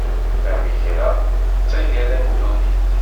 Tamegra, d taggara n ddunit.